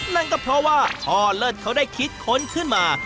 นั่นก็เพราะว่าช่อเลิศเขาได้คิดค้นขึ้นมา